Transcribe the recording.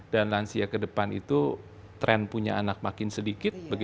dan lansia ke depan itu tren punya anak makin sedikit